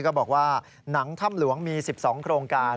ก็บอกว่าหนังถ้ำหลวงมี๑๒โครงการ